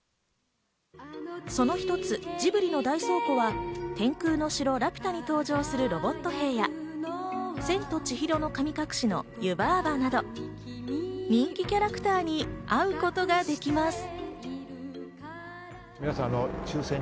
その１つ、ジブリの大倉庫は『天空の城ラピュタ』に登場するロボット兵や、『千と千尋の神隠し』の湯婆婆など、人気キャラクターに会うことができます。